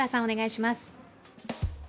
お願いします。